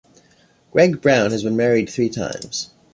Greg Brown has been married three times.